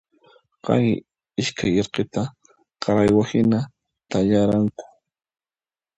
Chay iskay irqiqa qaraywa hina thallaranku.